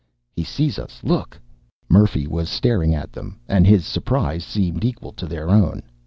"He sees us.... Look...." Murphy was staring at them, and his surprise seemed equal to their own.